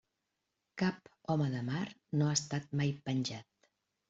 Cap home de mar no ha estat mai penjat.